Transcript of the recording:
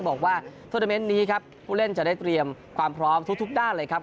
บอกว่าโทรเมนต์นี้ครับผู้เล่นจะได้เตรียมความพร้อมทุกด้านเลยครับ